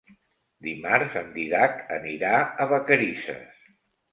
Dimarts en Dídac anirà a Vacarisses.